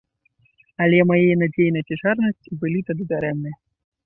Але мае надзеі на цяжарнасць былі тады дарэмныя.